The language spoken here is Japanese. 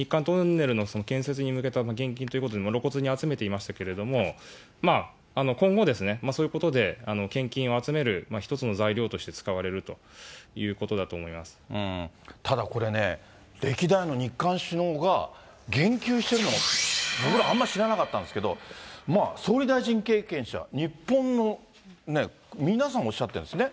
少なくとも以前には、日韓トンネルをエイトさんがおっしゃったように、日韓トンネルの建設に向けた献金ということで、露骨に集めていましたけれども、今後、そういうことで献金を集める一つの材料として使われるということただ、これね、歴代の日韓首脳が言及してるの、僕らあんまり知らなかったんですけど、まあ、総理大臣経験者、日本の皆さんがおっしゃってるんですね。